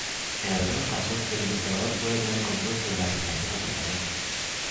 En algunos casos, el investigador puede tener control sobre la asignación al tratamiento.